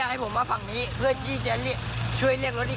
แล้วผมว่าเห็นปั๊มผมก็เลยรีบวิ่งไปที่ปั๊มครับพี่